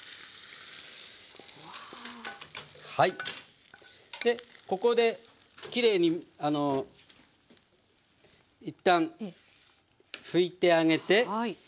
はいでここできれいに一旦拭いてあげて。